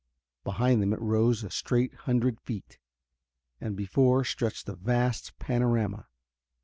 Behind them it rose a straight hundred feet, and before stretched a vast panorama.